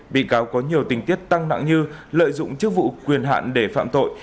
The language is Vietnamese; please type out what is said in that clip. bị cáo có nhiều tình tiết tăng nặng như lợi dụng chức vụ quyền hạn để phạm tội